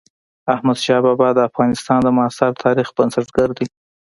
احمد شاه بابا د افغانستان د معاصر تاريخ بنسټ ګر دئ.